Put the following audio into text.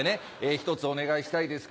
ひとつお願いしたいですけど。